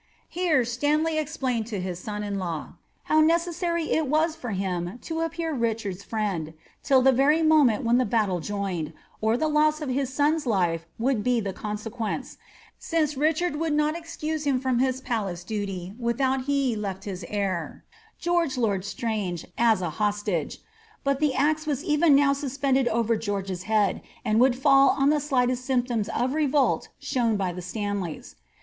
Here Stanley explained to his son in law, ^^ how necessary it was for him to appear Richard's friend till the very moment when the battle joined, or the loss of his son's life would be liie consequence, since Richard would not excuse him from his palace duty without he left iiis heir, George lord Strange, as a hostage ; that the axe was even now suspended over George's head, and would fall on the slightest s>'fflptoms of revolt shown by the Stanleys."